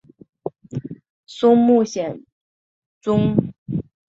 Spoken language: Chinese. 松木宗显。